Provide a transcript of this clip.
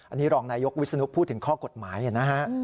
อันนี้รองนายกวิศนุพูดถึงข้อกฎหมายนะฮะ